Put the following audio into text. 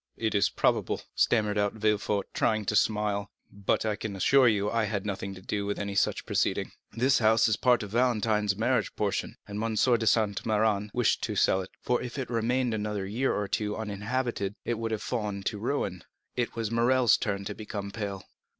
"It is probable," stammered out Villefort, trying to smile; "but I can assure you that I had nothing to do with any such proceeding. This house is part of Valentine's marriage portion, and M. de Saint Méran wished to sell it; for if it had remained another year or two uninhabited it would have fallen to ruin." It was Morrel's turn to become pale.